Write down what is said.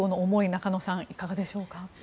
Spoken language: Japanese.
中野さん、いかがでしょうか。